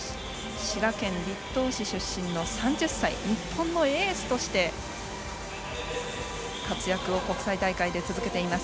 滋賀県出身の３０歳日本のエースとして活躍を国際大会で続けています。